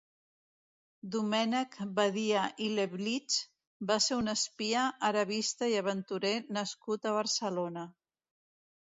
Domènec Badia i Leblich va ser un espia, arabista i aventurer nascut a Barcelona.